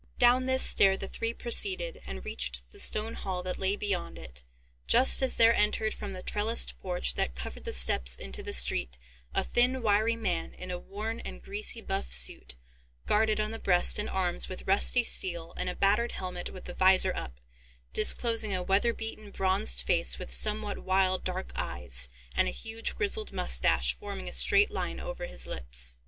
Down this stair the three proceeded, and reached the stone hall that lay beyond it, just as there entered from the trellised porch, that covered the steps into the street, a thin wiry man, in a worn and greasy buff suit, guarded on the breast and arms with rusty steel, and a battered helmet with the vizor up, disclosing a weather beaten bronzed face, with somewhat wild dark eyes, and a huge grizzled moustache forming a straight line over his lips.